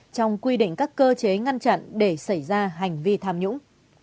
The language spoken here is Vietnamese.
trong quy định các cơ chế ngăn chặn để xảy ra hành vi tham nhũng